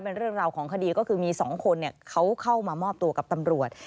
เป็นเรื่องราวของคดีก็คือมี๒คนเขาเข้ามามอบตัวกับตำรวจ